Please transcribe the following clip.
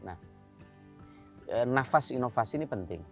nah nafas inovasi ini penting